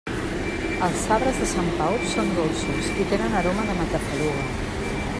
Els sabres de Sant Pau són dolços i tenen aroma de matafaluga.